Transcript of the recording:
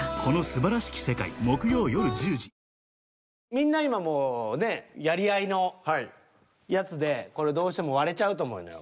みんな今もうねやり合いのやつでこれどうしても割れちゃうと思うのよ。